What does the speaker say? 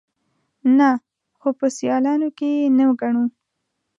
_نه، خو په سيالانو کې يې نه ګڼو.